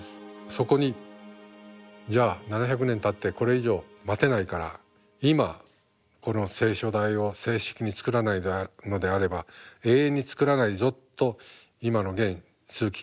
そこに「じゃあ７００年たってこれ以上待てないから今この聖書台を正式に作らないのであれば永遠に作らないぞ」と今の現・枢機卿が決められた。